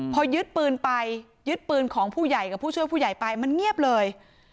พอยึดปืนไปยึดปืนของผู้ใหญ่กับผู้ช่วยผู้ใหญ่ไปมันเงียบเลย